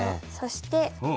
そして